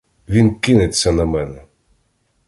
Він кинеться на мене!